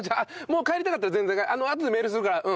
もう帰りたかったら全然あとでメールするからうん。